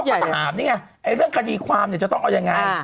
ก็ถามนี่ไงเรื่องคดีความเนี่ยจะต้องเอายังไง